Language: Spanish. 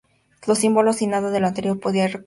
Sin símbolos nada de lo anterior podría ocurrir.